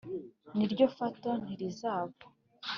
ni ryo fato ntirizava